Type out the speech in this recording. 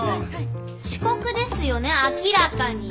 遅刻ですよね明らかに。